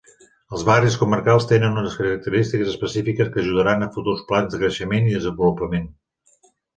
Els barris comarcals tenen unes característiques específiques que ajudaran a futurs plans de creixement i desenvolupament.